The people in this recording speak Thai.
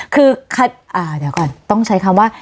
คือเดี๋ยวก่อนต้องใช้คำว่า